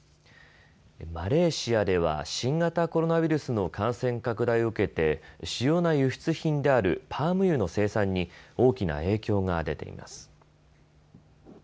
マレーシアでは新型コロナウイルスの感染拡大を受けて主要な輸出品であるパーム油の生産に大きな影響が出ています。